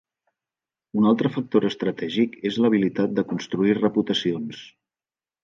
Un altre factor estratègic és l'habilitat de construir reputacions.